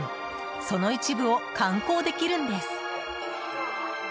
その一部を観光できるんです。